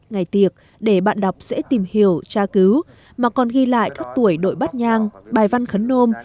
ngày tiệc để bạn đọc sẽ tìm hiểu tra cứu mà còn ghi lại các tuổi đội bắt nhang bài văn khấn nôm